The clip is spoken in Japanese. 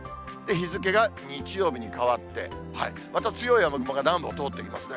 日付が日曜日に変わって、また強い雨雲が南部を通っていきますね。